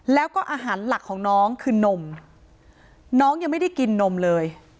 แล้วก็อาหารหลักของน้องคือนมน้องยังไม่ได้กินนมเลย